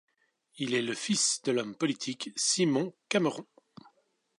Il est le fils de l'homme politique Simon Cameron.